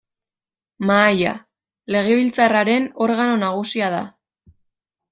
Mahaia: Legebiltzarraren organo nagusia da.